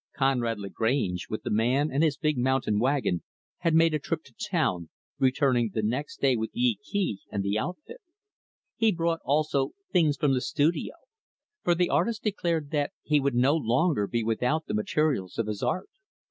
Conrad Lagrange, with the man and his big mountain wagon, had made a trip to town returning the next day with Yee Kee and the outfit. He brought, also, things from the studio; for the artist declared that he would no longer be without the materials of his art.